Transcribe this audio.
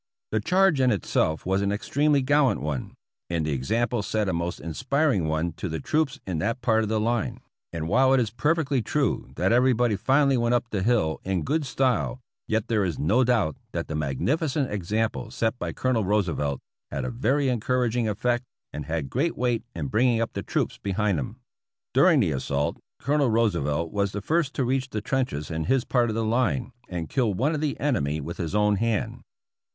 The charge in itself was an extremely gallant one, and the example set a most inspir 305 APPENDIX E ing one to the troops in that part of the line, and while it is perfectly true that everybody finally went up the hill in good style, yet there is no doubt that the magnificent example set by Colonel Roosevelt had a very encouraging effect and had great weight in bringing up the troops behind him. During the assault. Colonel Roosevelt was the first to reach the trenches in his part of the line and killed one of the enemy with his own hand.